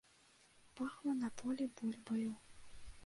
Пахла на полі бульбаю.